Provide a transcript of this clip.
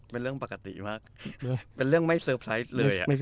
เป็นเรื่องปกติมากเป็นเรื่องไม่เซอร์ไพรส์เลย